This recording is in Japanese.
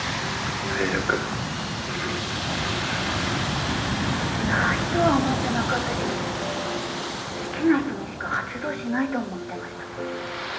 性欲ないとは思ってなかったけど好きな人にしか発動しないと思ってました